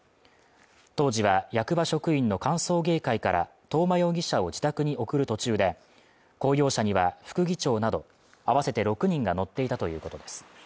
当時は役場職員の歓送迎会から東間容疑者を自宅に送る途中で、公用車には、副議長などあわせて６人が乗っていたということです。